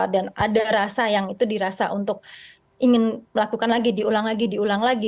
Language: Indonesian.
dan ada rasa yang itu dirasa untuk ingin melakukan lagi diulang lagi diulang lagi